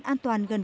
ban chỉ trả đ